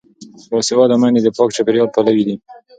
باسواده میندې د پاک چاپیریال پلوي دي.